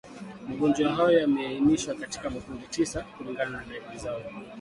Magonjwa hayo yameainishwa katika makundi tisa kulingana na dalili zao kuu